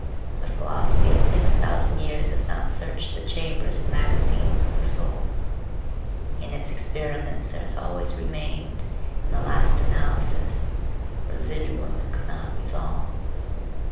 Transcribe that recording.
The philosophy of six thousand years has not searched the chambers and magazines of the soul. In its experiments there has always remained, in the last analysis, a residuum it could not resolve.